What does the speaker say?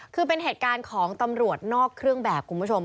คือเป็นเหตุการณ์ของตำรวจนอกเครื่องแบบคุณผู้ชม